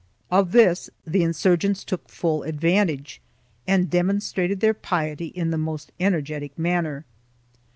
1 Of this the insurgents took full advantage and demonstrated their piety in the most energetic manner.